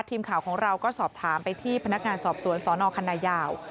ทีมข่าวของเราก็สอบถามไปที่พนักงานสอบสวนสนคันนายาว